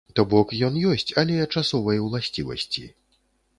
То бок ён ёсць, але часовай уласцівасці.